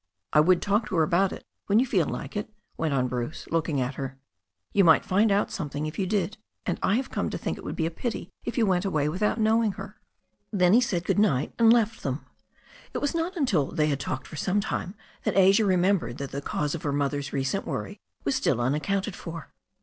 "1 would talk to her about it when you feel like it," went on Bruce, looking at her. "You might find out something if you did, and I have come to think it would be a pity if you went away witVvout Vxiowm^ her." THE STORY OF A NEW ZEALAND RIVER 389 Then he said good night and left them. It was not until they had talked for some time that Asia remembered that the cause of her mother's recent worry was still unaccounted for.